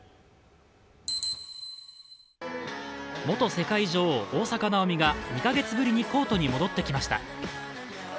元世界女王・大坂なおみが２カ月ぶりにコートに戻ってきました。